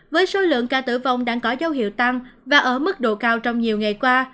với số lượng ca tử vong đang có dấu hiệu tăng và ở mức độ cao trong nhiều ngày qua